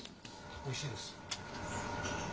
おいしいです。